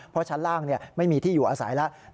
เพราะชั้นล่างไม่มีที่อยู่อาศัยแล้ว